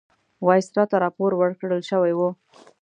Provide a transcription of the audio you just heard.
وایسرا ته راپور ورکړل شوی وو.